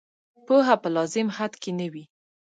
پوهه په لازم حد کې نه وي.